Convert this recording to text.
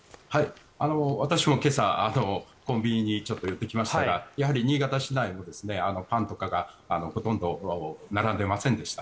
私も今朝、コンビニにちょっと寄ってきましたが新潟市内もパンとかがほとんど並んでませんでした。